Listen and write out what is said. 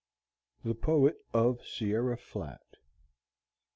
THE POET OF SIERRA FLAT.